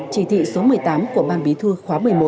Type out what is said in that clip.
chỉ thị số một mươi tám của ban bí thư khóa một mươi một